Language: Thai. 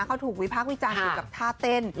เขาถูกวิพักวิจารณ์อยู่กับท่าเต้น